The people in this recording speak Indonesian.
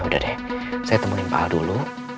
udah deh saya temuin pa dulu